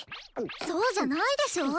そうじゃないでしょ。